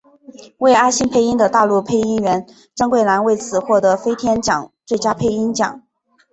为阿信配音的大陆配音员张桂兰为此获得飞天奖最佳配音奖。